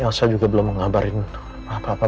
ya elsa juga belum mengabarin apa apa